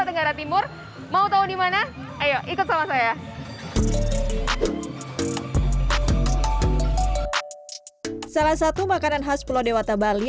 tenggara timur mau tahu dimana ayo ikut sama saya salah satu makanan khas pulau dewata bali